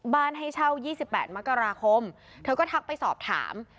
ให้เช่า๒๘มกราคมเธอก็ทักไปสอบถาม